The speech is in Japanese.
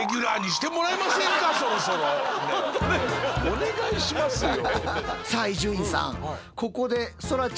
お願いしますよ。